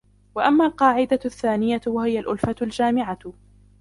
وَأَمَّا الْقَاعِدَةُ الثَّانِيَةُ وَهِيَ الْأُلْفَةُ الْجَامِعَةُ